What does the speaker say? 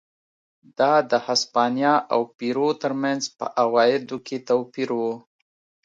دا د هسپانیا او پیرو ترمنځ په عوایدو کې توپیر و.